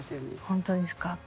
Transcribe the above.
本当ですか？